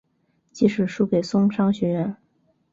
即使输给松商学园。